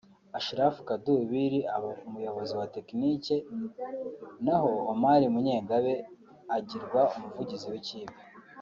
Ashraf Kadubiri aba Umuyobozi wa tekinike naho Omar Munyengabe agirwa Umuvugizi w’ikipe